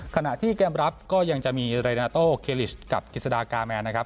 ขณะที่เกมรับก็ยังจะมีเรนาโต้เคลิชกับกิจสดากาแมนนะครับ